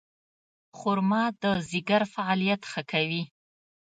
خرما د ځیګر فعالیت ښه کوي.